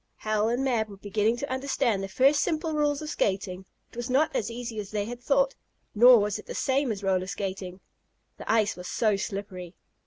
Hal and Mab were beginning to understand the first simple rules of skating. It was not as easy as they had thought nor was it the same as roller skating. The ice was so slippery.